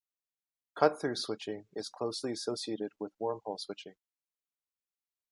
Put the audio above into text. Cut-through switching is closely associated with wormhole switching.